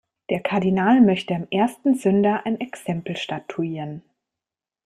Der Kardinal möchte am ersten Sünder ein Exempel statuieren.